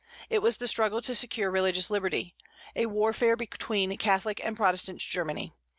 It was the struggle to secure religious liberty, a warfare between Catholic and Protestant Germany.